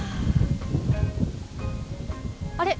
あれ？